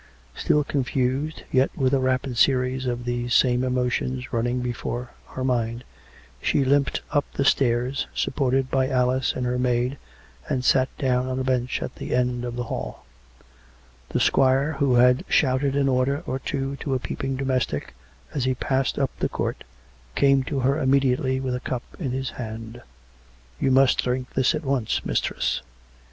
Still confused, yet with a rapid series of these same emo tions running before her mind, she limped up the steps, supported by Alice and her maid, and sat down on a bench at the end of the hall. The squire, who had shouted an order or two to a peeping domestic, as he passed up the court, came to her immediately with a cup in his hand. " You must drink this at once, mistress." 208 COME RACK!